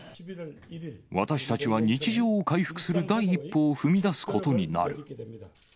私たちは日常を回復する第一歩を踏み出すことになる。